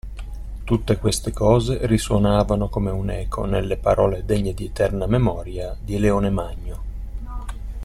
Tutte queste cose risuonavano come un'eco nelle parole degne di eterna memoria di Leone Magno.